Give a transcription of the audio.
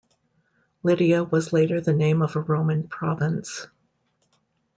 Lydia was later the name of a Roman province.